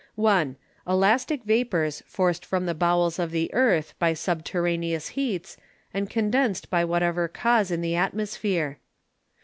1. Elastic Vapours forc'd from the Bowels of the Earth, by Subterraneous Heats, and condensed by whatever cause in the Atmosphere.